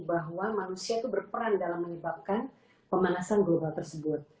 bahwa manusia itu berperan dalam menyebabkan pemanasan global tersebut